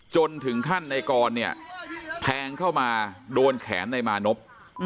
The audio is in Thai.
จนถึงขั้นนายกรณ์เนี่ยแทงเข้ามาโดนแขนนายมานบ